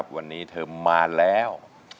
วันนี้เธอมาแล้ว